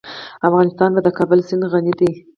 افغانستان په د کابل سیند غني دی.